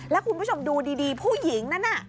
แล้วคุณผู้ชมดูดีผู้หญิงนั้นน่ะ